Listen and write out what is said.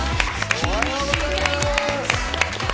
おはようございます。